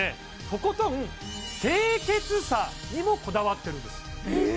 とことん清潔さにもこだわってるんですへえ